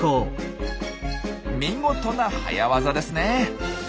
見事な早業ですね！